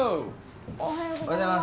おはようございます。